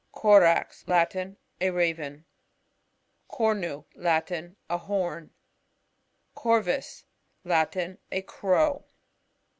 Cor AX. — Latin. A Raven. CoRNU. — Latin. A horn. CoRvu8. ~Latin, A Crow.